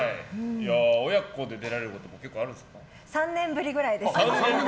親子で出られることも３年ぶりくらいです。